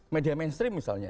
media mainstream misalnya